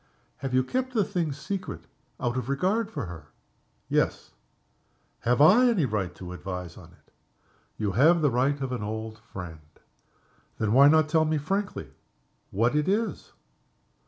"Have you kept the thing a secret out of regard for her?" "Yes." "Have I any right to advise on it?" "You have the right of an old friend." "Then, why not tell me frankly what it is?"